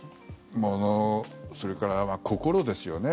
物、それから心ですよね。